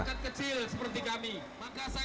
dihentikan peraturan daerah transportasi online roda dua